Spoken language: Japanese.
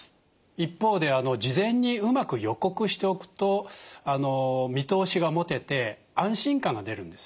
一方で事前にうまく予告しておくと見通しが持てて安心感が出るんですね。